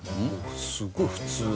すごい普通よ。